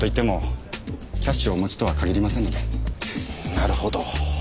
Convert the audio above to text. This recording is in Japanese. なるほど。